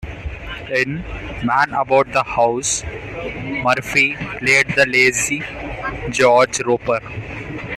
In "Man About the House", Murphy played the lazy George Roper.